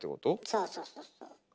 そうそうそうそう。